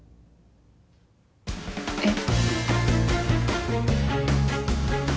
えっ？